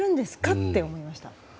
って思いました。